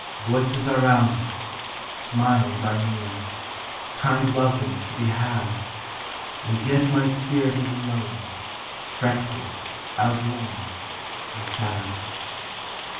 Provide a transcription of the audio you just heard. Voices are round me; smiles are near; Kind welcomes to be had; And yet my spirit is alone, Fretful, outworn, and sad.